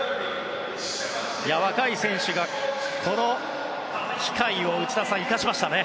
若い選手がこの機会を生かしましたね。